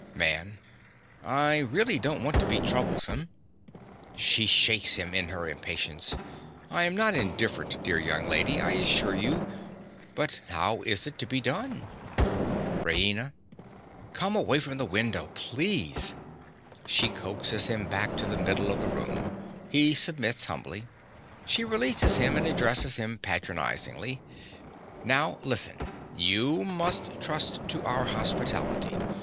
MAN. I really don't want to be troublesome. (She shakes him in her impatience.) I am not indifferent, dear young lady, I assure you. But how is it to be done? RAINA. Come away from the window—please. (She coaxes him back to the middle of the room. He submits humbly. She releases him, and addresses him patronizingly.) Now listen. You must trust to our hospitality.